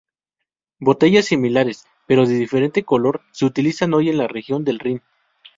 Botellas similares, pero de diferente color se utilizan hoy en la región del Rin.